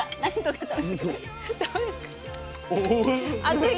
熱い？